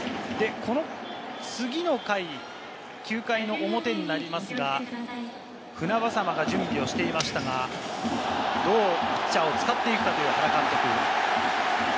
で、この次の回、９回の表になりますが、船迫が準備をしていましたが、ピッチャーを使っていくかという原監督。